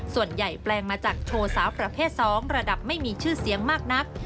แปลงมาจากโชว์สาวประเภท๒ระดับไม่มีชื่อเสียงมากนัก